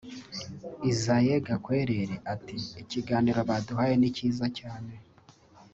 Isaie Gakwerere ati “Ikiganiro baduhaye ni cyiza cyane